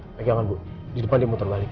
pegangan bu di depan dia muter balik